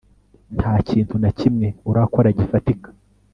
ntakintu nakimwe urakora gifatika